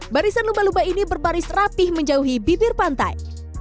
barisan lumba lumba ini berbaris rapih menjauhi bibir pantai